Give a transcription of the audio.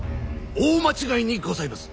大間違いにございます！